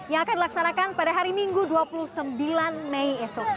yang akan dilaksanakan pada hari minggu dua puluh sembilan mei esok